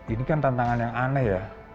ini kan tantangan yang aneh ya